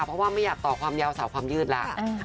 เพราะว่าไม่อยากต่อความยาวสาวความยืดแล้ว